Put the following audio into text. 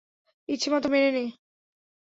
ইচ্ছেমতো মেরে নে।